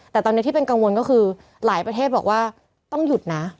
แต่ตอนนี้ที่เป็นกังวลก็คือหลายประเทศบอกว่าต้องหยุดนะ